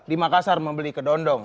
di makassar membeli ke dondong